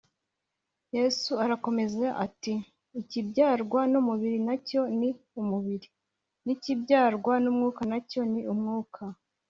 Yesu arakomeza ati : “Ikibyarwa n’umubiri na cyo ni umubiri, n’ikibyarwa n’Umwuka na cyo ni umwuka.